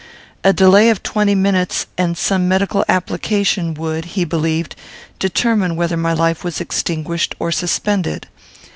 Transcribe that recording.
A delay of twenty minutes, and some medical application, would, he believed, determine whether my life was extinguished or suspended.